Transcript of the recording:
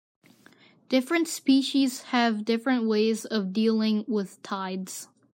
Different species have different ways of dealing with tides.